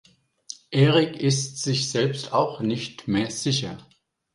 Erik ist sich selbst auch nicht mehr sicher.